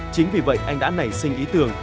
chính vì vậy anh đã nảy sinh ý tưởng